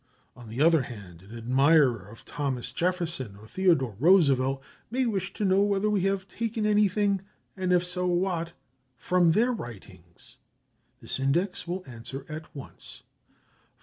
On the other hand, an admirer of Thomas Jefferson or Theodore Roosevelt may wish to know whether we have taken anything and, if so, what from their writings. This index will answer at once.